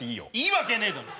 いいわけねえだろ！